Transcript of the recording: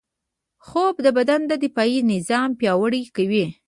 خوب د بدن دفاعي نظام پیاوړی کوي